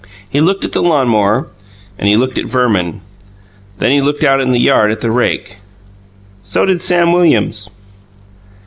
He looked at the lawn mower, and he looked at Verman. Then he looked out in the yard at the rake. So did Sam Williams.